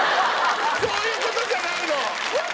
そういうことじゃないの！